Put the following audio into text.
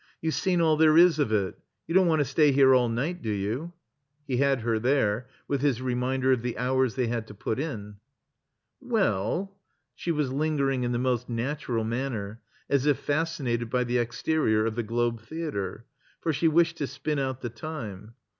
You've seen all there is of it. You don't want to stay here all night, do you?" He had her there, with his reminder of the hours they had to put in. "Well" — she was lingering' in the most natural manner, as if fascinated by the exterior of the Globe Theater. For she wished to spin out the time.